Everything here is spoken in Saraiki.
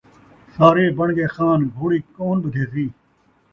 سارے بݨ ڳئے خان ، گھوڑی کون ٻدھیسی